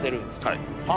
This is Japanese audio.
はい。